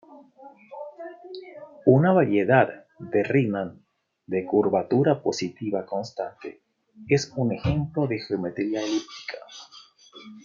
Una variedad de Riemann de curvatura positiva constante es un ejemplo de geometría elíptica.